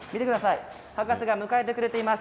博士が迎えてくれています。